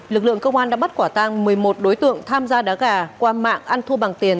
lực lượng công an đã bắt quả tang một mươi một đối tượng tham gia đá gà qua mạng ăn thua bằng tiền